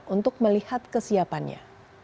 untuk melihat kesiapannya